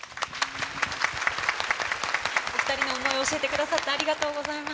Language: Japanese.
お２人の想いを教えてくださってありがとうございます。